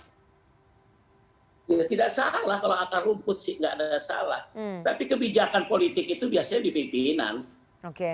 ya tidak salah kalau akar rumput sih nggak ada salah tapi kebijakan politik itu biasanya di pimpinan oke